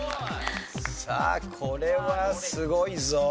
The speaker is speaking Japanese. さあこれはすごいぞ。